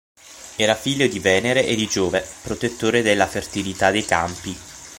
Era figlio di Venere e di Giove, protettore della fertilità dei campi.